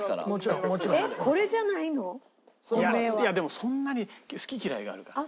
コーナーいやでもそんなに好き嫌いがあるから。